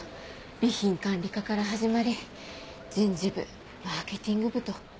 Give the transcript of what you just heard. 備品管理課から始まり人事部マーケティング部と。